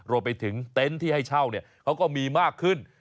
รวมไปถึงเต็นต์ที่ให้เช่าเขาก็มีมากขึ้น